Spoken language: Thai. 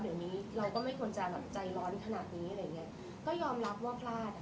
เดี๋ยวนี้เราก็ไม่ควรจะแบบใจร้อนขนาดนี้อะไรอย่างเงี้ยก็ยอมรับว่าพลาดอ่ะ